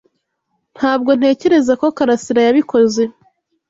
Ntabwo ntekereza ko Karasira yabikoze.